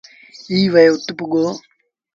ائيٚݩ وهي اُت پُڳو۔